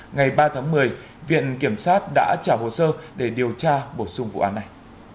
ngày ba tháng một mươi viện kiểm sát đã trả hồ sơ để điều tra bổ sung vụ án này